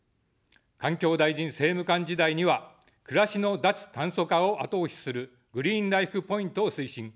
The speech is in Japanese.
環境大臣政務官時代には、暮らしの脱炭素化を後押しするグリーンライフ・ポイントを推進。